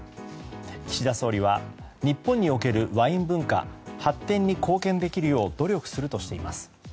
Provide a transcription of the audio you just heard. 岸田総理は、日本におけるワイン文化発展に貢献できるよう努力するとしています。